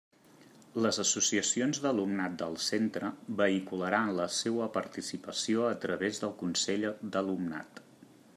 Les associacions d'alumnat del centre vehicularan la seua participació a través del consell d'alumnat.